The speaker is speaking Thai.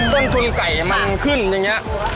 ต้นทุนไก่มันขึ้นอย่างนี้